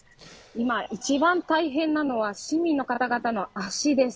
今、一番大変なのは市民の方々の足です。